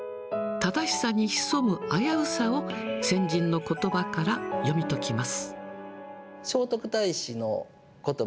正しさに潜む危うさを、先人のことばから読み解きます。